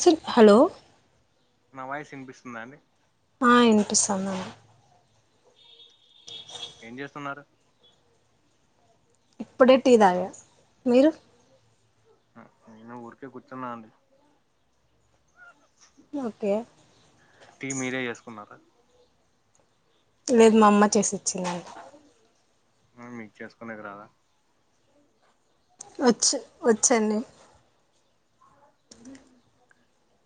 Chill hello నా voice ఇనిపిస్తుందా అండి ఆ ఇనిపిస్తాందండి ఏం చేస్తున్నారు ఇప్పుడే టీ దాగా మీరు అ నేను ఊరికే కూర్చున్న అండీ ఓకే టీ మీరే చేసుకున్నారు లేదు మా అమ్మ చేసి ఇచ్చింది అంట ఏ మీకు చేసుకునేకి రాదా వచ్చు వచ్చండి ఆ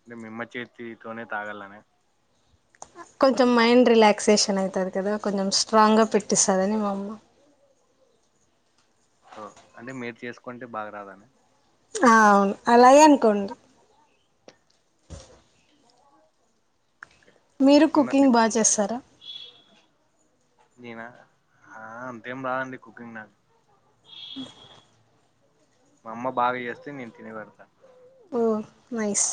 అంటే మీ అమ్మ చేతితోనే తాగలనీ కొంచెం మైండ్ రిలాక్సేషన్ ఐతది కదా కొంచెం స్ట్రాంగ్గా పెట్టిస్తదని మా అమ్మ ఓ అంటే మీరు చేసుకుంటే బాగా రాదన అవును అలాగే అనుకోండి మీరు మొన్న తి కుకింగ్ బాగా చేస్తారా నేనా అంతేం రాదండి కుకింగ్ నాకు అ మా అమ్మ బాగా చేస్తే నేను తిని వెడతా ఓ నైస్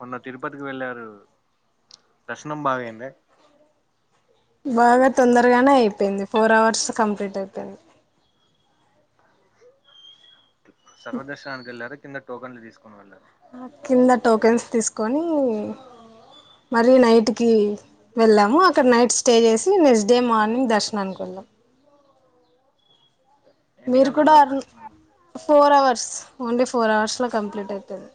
మొన్న తిరుపతికి వెళ్ళారు దర్శనం బాగా ఐంద బాగా తొందరగానే అయిపోయింది ఫోర్ అవర్స్ కంప్లీట్ అయిపోయింది సర్వదర్శనానికి వెళ్లారు కింద టోకన్లు తీసుకొని వెళ్లరా కింద టోకెన్స్ తీసుకొని మళ్ళి నైట్ కి వెళ్ళాము అక్కడ నైట్ స్టే చేసి నెక్స్ట్ డే మార్నింగ్ దర్శన అనుకుం లం ఎన్ని మీరు కూడా గంటల్లో అరు దర్శనం four hours only four అవర్స్లో కంప్లీట్ ఐతది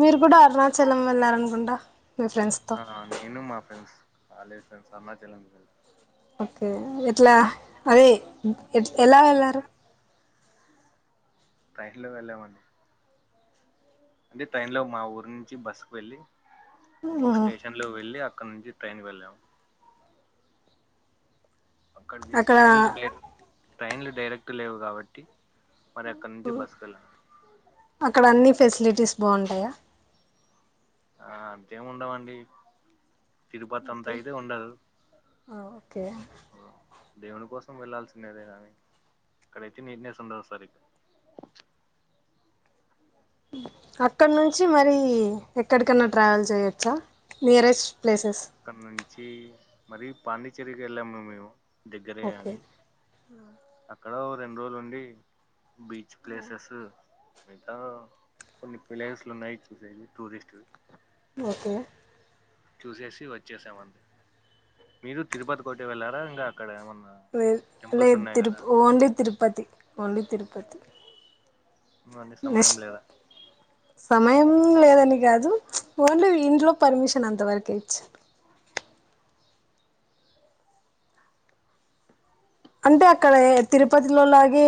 మీరు కూడా అరుణాచలం వెళ్లారనుకుంటా ఆ నేను మా friends college friends Arunachalam well okay ఎట్లా అదే ఎ ఎలా వెళ్ళారు టైర్ లో వెళ్ళామండి అంటే ట్రైన్ లో మా ఊరు నుంచి బస్సుకు వెళ్ళి ఒక స్టేషన్ లో వెళ్ళి అ అక్క నుంచి ట్రైన్ వెళం అక్కడికి అక్కడ ట్రైన్లు డే ట్రైన్లు డైరెక్ట్ లేవు కాబట్టి మరి అక్కడ నుంచి బస్సుకు వెళ్ళాము అక్కడ అన్ని ఫెసిలిటీస్ బాగుంటాయా ఆ అంతేం ఉండవండి తిరుపతి అంతా అయితే ఉండదు ఆ ఓకే దేవుని కోసం వెళ్లాల్సిందేదే గాని అక్కడైతే నీట్ నెస్ వుండదు సరి ఉ అక్కడ నుంచి మరి ఎక్కడికన్నా ట్రావెల్ చేయొచ్చా నియరెస్ అక్కడ నుంచి మరి పాండిచ్చేరికి వెళ్ళాము మేము దగ్గరే ఓకే అని ఆ అక్కడ ఓ రెండు రోజులు ఉండి బీచ్ ప్లేసెస్ మిగతా కొన్ని ప్లేస్లు ఉన్నాయి చూసేవి టూరిస్ట్ వి ఓకే చూసేసి వచ్చేసామంతె మీరు తిరుపతి కోటే వెళ్లారా ఇంకా అక్కడ ఏమన్న లేద్ లేద్ తిరు ఓన్లీ తిరుపతి ఓన్లీ తిరుపతి ఊ అండీ సమయం నెక్స్ట్ లేదా సమయం లేదని కాదు ప్చ్ ఓన్లీ ఇంట్లో పర్మిషన్ అంతవరకే ఇచ్చరు అంటే అక్కడ తిరుపతిలోలాగే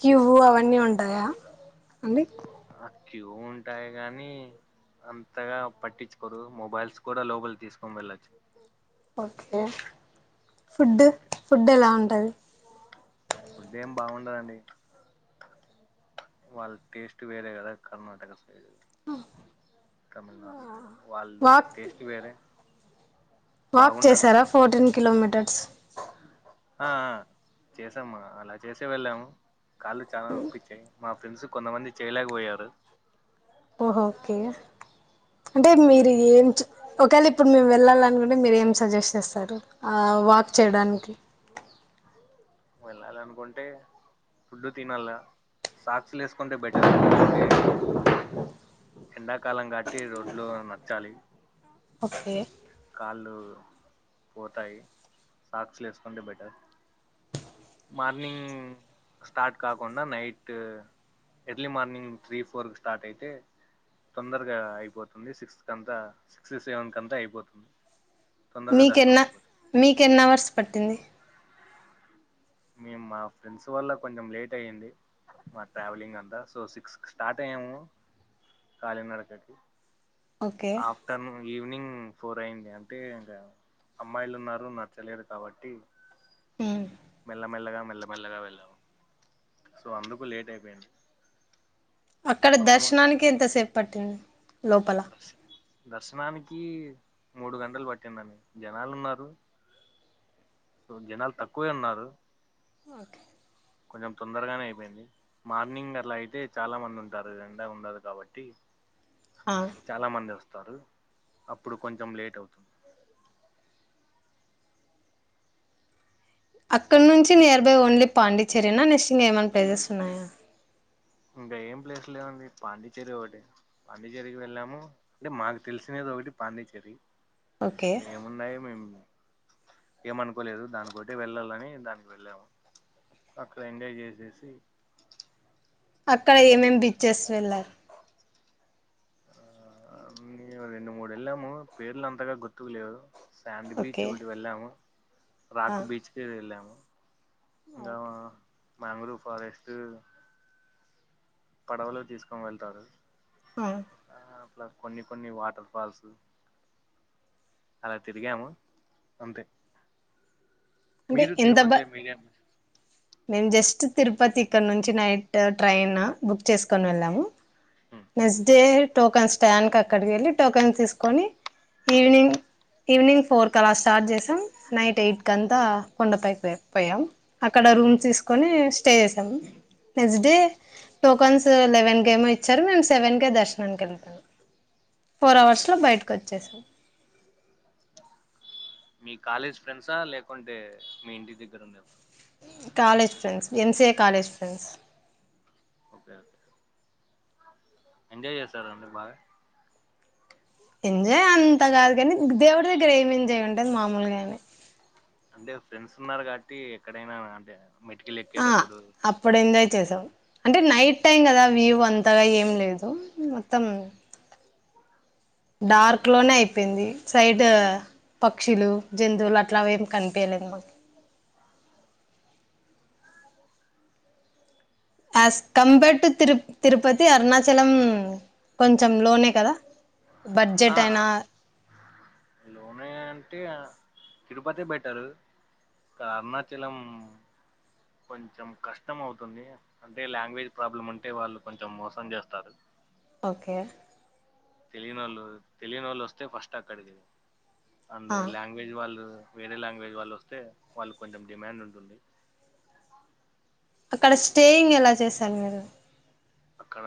క్యూ అవన్నీ ఉంటాయా అండి ఆ క్యూ ఉంటాయి గాని అంతగా పట్టించుకోరు మొబైల్స్ కూడా లోపలికి తీసుకొని వెళ్ళచ్చు ఓకే ఫుడ్ ఫుడ్ ఎలా ఉంటది ఫుడ్ ఏం బాగుండదండి వాళ్ళ టేస్ట్ వేరే కదా కర్ణాటక లా తమిళనాడు సైడ్ వాళ్ళ వాక్ టేస్ట్ వేరే వాక్ బాగుండదు చేసారా ఫుడ్ ఫోర్టీన్ కిలోమీటర్ ఆ ఆ చేసాము అలా చేసే వెళ్ళాము కాళ్ళు చాలా నొప్పి వచ్చాయ్ మా ఫ్రెండ్స్ కొంతమంది చేయలేకపోయారు ఓహో ఓకే అంటే మీరు మేము ఏం ఒకవేళ ఇప్పుడు మేము వెళ్ళాలి అనుకుంటే మీరు ఏం సజెషన్ చేస్తారు ఆ వాక్ చేయడానికి వెళ్ళాలి అనుకుంటే ఫుడ్డు తినాల సాక్స్ లు వేసుకుంటే బెటర్ ఎందుకంటే ఎండాకాలం కాబట్టి రోడ్లు నచ్చాలి ఓకే కాళ్ళు పోతాయి సాక్స్లు వేసుకుంటే బెటర్ మార్నింగ్ స్టార్ట్ కాకుండా night early morning three four కి స్టార్ట్ అయితే తొందరగా అయిపోతుంది సిక్స్ కంతా సిక్స్ సెవెన్ కు అంతా అయిపోతుంది తొందరగా దర్శనం అయిపోతుంది మీకెన్ని ఎన్ని అవర్స్ పట్టింది మేము మా ఫ్రెండ్స్ వల్ల కొంచెం లేట్ అయ్యింది మా ట్రావెలింగ్ అంతా సో సిక్స్కి స్టార్ట్ అయ్యాము కాలీనడకకి ఓకే ఆఫ్టర్నూన్ ఈవినింగ్ ఫోర్ అయింది అంటే ఇంకా అమ్మాయిలు ఉన్నారు నచ్చలేదు కాబట్టి మ్మ్ హ్ మెల్లమెల్లగా మెల్లమెల్లగా వెళ్ళాము సో అందుకు లేట్ అయిపోయింది అక్కడ కొందమ దర్శనానికి ఎంతసేపు పట్టింది లోపల దర్శనానికి మూడు గంటలు పట్టిందండి జనాలు ఉన్నారు సో జనాలు తక్కువే ఉన్నారు ఓకే కొంచెం తొందరగానే అయిపోయింది మార్నింగ్ అలా అయితే చాలా మంది ఉంటారు ఎండ ఉండదు కాబట్టి ఆ చాలా మంది వస్తారు అప్పుడు కొంచెం లేట్ అవుతుంది అక్కడ నుంచి నియర్ బై ఓన్లీ పాండిచ్చేరినా నెక్స్ట్ ఏమన్నా ప్లేసెస్ ఉన్నాయా ఇంకా ఏం ప్లేస్ లేవండి పాండిచ్చేరి ఒకటే పాండిచ్చేరికి వెళ్ళాము అంటే మాకు తెలిసిన ఒకటి పాండిచ్చేరి ఓకే ఏమున్నాయి మేము ఏమనుకోలేదు దానితోటి వెళ్ళాలని దానికి వెళ్ళాము అక్కడ ఎంజాయ్ చేసాము అక్కడ ఏమేం బీచెస్ వెళ్లారు ఆ మేము రెండు మూడు వెళ్ళాము పేర్లు అంతగా గుర్తుకు లేవు శాండ్ బీచ్ ఓకే ఒకటి వెళ్ళాము ఆ రాక్ బీచ్ కి వెళ్ళాము దా ఓకే మ్యాంగ్రూ్ ఫారెస్ట్ పడవలో తీసుకొని వెళ్తారు హ్హ్ కొన్ని కొన్ని వాటర్ ఫాల్స్ అలా తిరిగాము అంతే అంటే మీరు ఎంత తిరుపతి బ లో ఏమీ తిరిగారు మేము జస్ట్ తిరుపతి ఇక్కడ నుంచి నైట్ ట్రైన్ బుక్ చేసుకని వెళ్ళాము నెక్స్ట్ డే టోకన్ స్టాన్ క అక్కడికి వెళ్ళి టోకన్ తీసుకొని ఈవినింగ్ ఈవినింగ్ ఫోర్ కలా స్టార్ట్ చేసాం నైట్ ఎయిట్ క అంతా కొండపైకి పోయాం అక్కడ రూమ్స్ తీసుకొని స్టే చేసాము నెక్స్ట్ డే టోకన్స్ లెవెన్ క ఏమో ఇచ్చారు మేము సెవెన్ కె దర్శనానికి వెళ్తాము ఫోర్ ఓకే అవర్స్లో బయటకు వచ్చేసాం మీ కాలేజ్ ఫ్రెండ్సా లేకుంటే మీ ఇంటి దగ్గర ఉండేవ college friends MCA college friends enjoy చేస్తారు మరి బాగా ఎంజాయ్ అంత కాదు కానీ దేవుడి దగ్గర ఏమి ఎంజాయ్ ఉంటంది మామూలుగాని అంటే ఫ్రెండ్స్ ఉన్నారు కాబట్టి ఎక్కడైనా అంటే మెటికల్ ఎక్కేటప్పుడు చేసావ్ అంటే నైట్ టైం కదా వ్యూ అంతగా ఏం లేదు మొత్తం డార్క్ లోనే అయిపోయింది సైడ్ పక్షులు జంతువులు అట్లావేం కనిపయలేదు మాకు అస్ కంపేర్ టు తిరు తిరుపతి అరుణాచలం కొంచెం లోనే కదా బడ్జెట్ ఆ అయినా లోనెఅంటే ఆ తిరుపతి బెట్టరు అరుణాచలం కొంచెం కష్టం అవుతుంది అంటే లాంగ్వేజ్ ప్రాబ్లం అంటే వాళ్ళు కొంచెం మోసం చేస్తారు ఓకే తెలియని వాళ్ళు తెలియని వాళ్ళు వస్తే ఫస్ట్ అక్కడికి అండ్ ఆ లాంగ్వేజ్ వాళ్ళు వేరే లాంగ్వేజ్ వాళ్ళు వస్తే వాళ్ళు కొంచెం డిమాండ్ ఉంటుంది అక్కడ స్టేయింగ్ ఎలా చేశను మీరు అక్కడ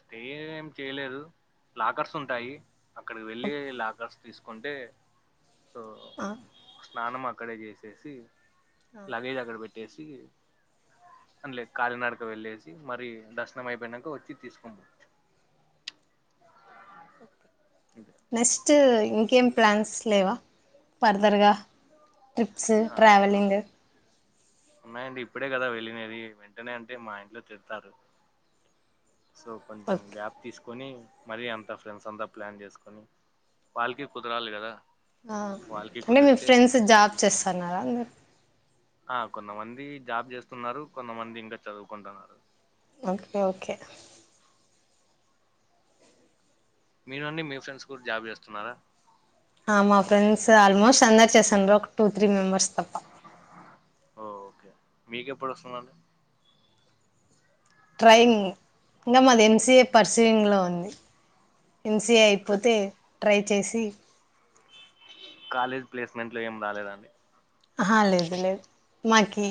స్టే ఏం చేయలేదు లాకర్స్ ఉంటాయి అక్కడికి వెళ్ళి లాకర్స్ తీసుకుంటే సో ఆ స్నానం అక్కడే చేసేసి ఆ. లగేజ్ అక్కడ పెట్టి లేసి కాళనాడక వెళ్ళసి మరి దర్శనం అయిపోయినాక వచ్చి తీసుకోము నెక్స్ట్ ఇంకేం ప్లాన్స్ లేవా ఫర్దర్గా ట్రిప్స్ ఆ ట్రావెలింగ్ ఉన్నాయండి ఇప్పుడే కదా వెళ్ళినది వెంటనే అంటే మా ఇంట్లో తిడతారు సో కొంచెం ఓకే గ్యాప్ తీసుకొని మరీ అంత ఫ్రెండ్స్ అంతా ప్లాన్ చేసుకొని వాళ్ళకి కుదరాలి కదా ఆ వాళ్ళకి అంటే మీ కుదిరితే ఫ్రెండ్స్ జాబ్ చేస్తున్నారా అందరు ఆ కొంతమంది జాబ్ చేస్తున్నారు కొంతమంది ఇంకా చదువుకుంటున్నారు ఓకే ఓకే మీరుండి మీ ఫ్రెండ్స్ కూడా జాబ్ చేస్తున్నారా ఆ మా ఫ్రెండ్స్ ఆల్మోస్ట్ అందరు చేస్తాను ఒక టూ త్రీ మెంబర్ స్తప్ప మీకు ఎప్పుడొస్తుందండి ట్రైంగ్ ఇంకా మాది ఎంసీఏ పరిశలింగ్లో ఉంది ఎంసిఏ ఓకే, అయిపోతే ట్రై చేసి కాలేజ్ ప్లేస్మెంట్ లో ఏం రాలేదండి ఆహ లేదు లేదు మాకి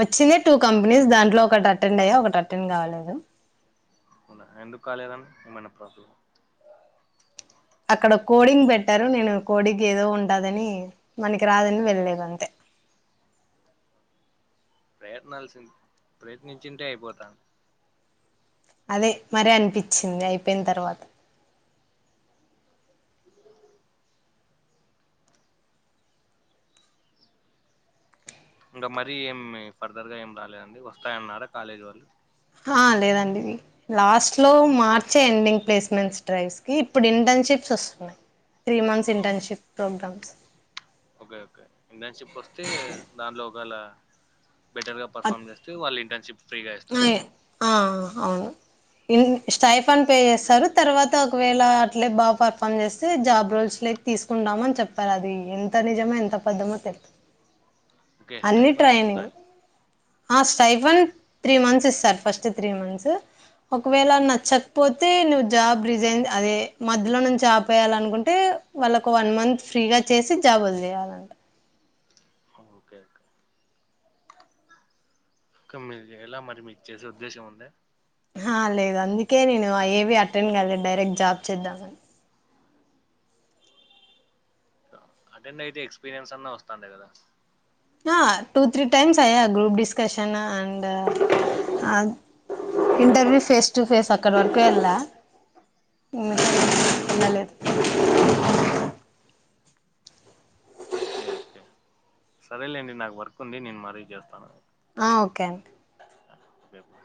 వచ్చింది టూ కంపెనీస్ దాంట్లో ఒకటి అటెండ్ అయ్యా ఒకటి అటెండ్ కావలేదు ఎందుకు కాలేదని మమైన ప్రస అక్కడ కోడింగ్ పెట్టారు నేను కోడింగ్ ఏదో ఉంటదని మనకి రాదని వెళ్లేద అంతే ప్రయత్నాల్సింద్ ప్రయత్నించింటే అయిపోతా అదే మరి అనిపిచ్చింది అయిపోయిన తర్వాత ఇంకా మరీ ఏమి ఫర్దర్గా ఏం రాలేదండి వస్తాయన్నారా కాలేజ్ వాళ్ళు ఆ లేదండి లాస్ట్ లో మార్చే ఎండింగ్ ప్లేస్మెంట్స్ డ్రైవ్స్ కి ఇప్పుడు ఇంటన్షిప్ వస్తున్నాయ్. Three months internship programmes okay okay internship వస్తే దాంట్లో ఒకేళ బెటర్ గా పర్ఫామ్ చేస్తే వాళ్ళు ఇంటర్న్షిప్ ఫ్రీగా ఇస్తారు. ఆ అవును. ఇన్ స్టైఫాన్ పే చేస్తారు. తర్వాత ఒకవేళ అట్లే బాగా పర్ఫామ్ చేస్తే జాబ్ రోల్స్కి తీసుకుంటామని చెప్పారు. అది ఎంత నిజమో ఎంత అపద్దమో తెల్ అ అన్ని ట్రైనింగ్. హస్ సైఫన్ త్రీ మంత్స్ ఇస్తారు. ఫస్ట్ త్రీ మంత్స్ ఒకవేళ నచ్చకపోతే నువ్వు జాబ్ రిజైన్ అదే మధ్యలో నుంచి ఆపేయాలనుకుంటే వాళ్ళకు వన్ మంత్ ఫ్రీగా చేసి జాబోదిలేయాలంట హా ఓకే ఓకే. అక్క మీరు చేయలా మరి మీకు చేసే ఉద్దేశం ఉంద్యా ఆహా లేదు అందుకే నేనేవి అటెండ్ కాలేదు. డైరెక్ట్ జాబ్ చేద్దామని అటెండయితే ఎక్స్పీరియన్స్ అన్నా వస్తాండే కదా ఆ టూ త్రీ టైమ్స్ అయ్యా గ్రూప్ డిస్కషన్ అండ్ అద్ ఇంటర్వ్యూ ఫేస్ టు ఫేస్ అక్కడ వరకు వెళ్లా ఇంగ వెళ్ళలేదు. Okay okay. సరేలేండి నాకు వర్క్ ఉంది. నేను మరీ చేస్తాను. ఆ ఓకే అండి. Okay bye